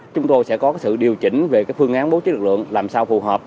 chúng tôi sẽ có sự điều chỉnh về phương án bố trí lực lượng làm sao phù hợp